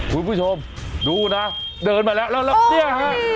คุณผู้ชมดูนะเดินมาแล้วแล้วเนี่ยฮะ